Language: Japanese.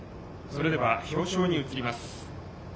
それでは表彰に移ります。